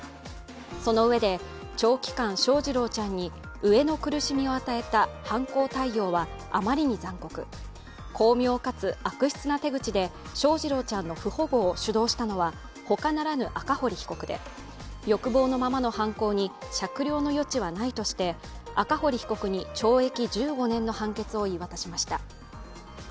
そのうえで、長期間翔士郎ちゃんに飢えの苦しみを与えた犯行態様は余りに残酷、巧妙かつ悪質な手口で翔士郎ちゃんの不保護を主導したのは他ならぬ赤堀被告で欲望のままの犯行に酌量の余地はないとして、赤堀被告に懲役１５年の判決を言い渡しました。